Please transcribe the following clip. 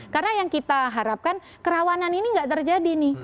karena yang kita harapkan kerawanan ini tidak terjadi